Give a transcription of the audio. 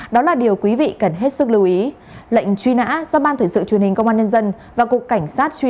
đó là điều quý vị cần hết sức lưu ý